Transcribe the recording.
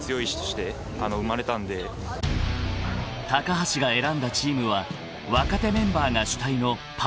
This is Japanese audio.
［橋が選んだチームは若手メンバーが主体のパドバ］